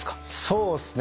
そうっすね